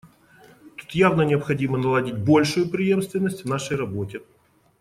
Тут явно необходимо наладить большую преемственность в нашей работе.